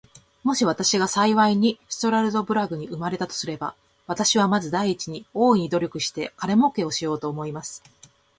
もし私が幸いにストラルドブラグに生れたとすれば、私はまず第一に、大いに努力して金もうけをしようと思います。